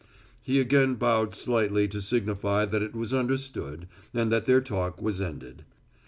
He again bowed slightly to signify that it was understood and that their talk was ended.